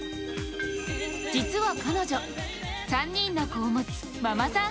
実は彼女、３人の子を持つママさん